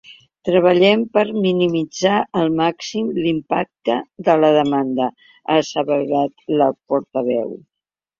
“Treballem per minimitzar al màxim l’impacte de la demanda”, ha asseverat la portaveu.